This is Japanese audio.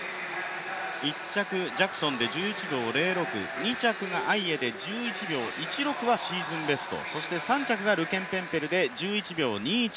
１着ジャクソンで１１秒０６、２着がアイエで１１秒１６はシーズンベスト。